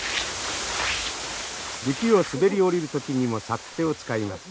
雪を滑り降りる時にもサッテを使います。